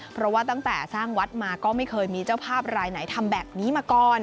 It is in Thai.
เพราะว่าตั้งแต่สร้างวัดมาก็ไม่เคยมีเจ้าภาพรายไหนทำแบบนี้มาก่อน